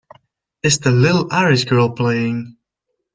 Is The Little Irish Girl playing